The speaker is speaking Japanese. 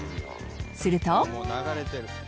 すると。